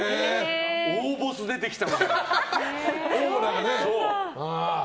大ボス出てきた！